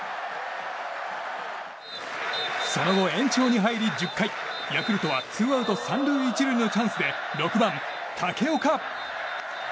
その後、延長に入り１０回ヤクルトはツーアウト３塁１塁のチャンスで６番、武岡。